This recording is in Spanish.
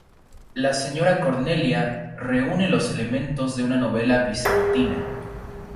La señora Cornelia reúne los elementos de una novela bizantina.